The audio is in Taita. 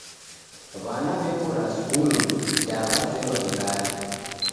W'ana w'ekora sukulu da w'azerwa w'igale